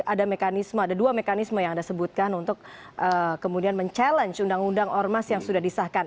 ada mekanisme ada dua mekanisme yang anda sebutkan untuk kemudian mencabar undang undang ormas yang sudah disahkan